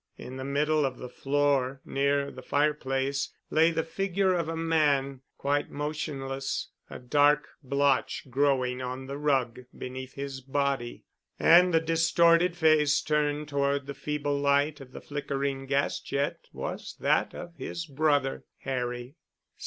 In the middle of the floor near the fireplace lay the figure of a man, quite motionless, a dark blotch growing on the rug beneath his body. And the distorted face turned toward the feeble light of the flickering gas jet was that of his brother—Harry.